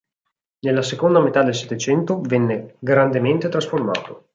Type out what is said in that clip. Nella seconda metà del Settecento venne grandemente trasformato.